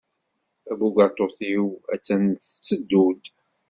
Tabugaṭut-iw attan tetteddu-d.